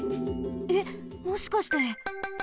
えっもしかして。